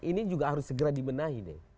ini juga harus segera dimenahi deh